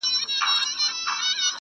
پر هغي لاري به وتلی یمه -